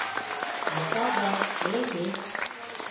مُڪاڌا لي سي